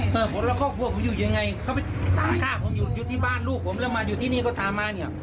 ผมจะต้องขออนุญาตบันทึกแจ้งความ